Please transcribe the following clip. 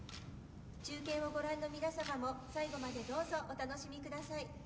中継をご覧の皆様も最後までどうぞお楽しみください。